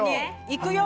いくよ？